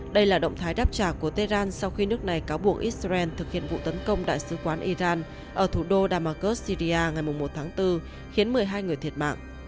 đây là động thái đáp trả của tehran sau khi nước này cáo buộc israel thực hiện vụ tấn công đại sứ quán iran ở thủ đô damasus syria ngày một tháng bốn khiến một mươi hai người thiệt mạng